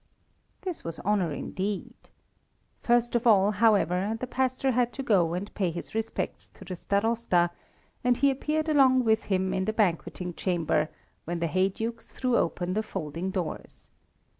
This was honour indeed. First of all, however, the pastor had to go and pay his respects to the Starosta, and he appeared along with him in the banqueting chamber when the heydukes threw open the folding doors.